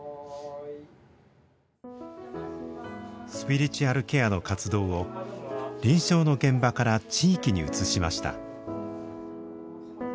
スピリチュアルケアの活動を臨床の現場から地域に移しました。